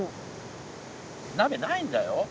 なべないんだよ？